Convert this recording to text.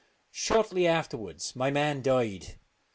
Shortly afterwards my man died.